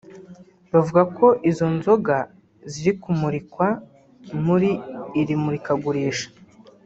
Bavuga ko izi nzoga ziri kumurikwa muri iri murikagurisha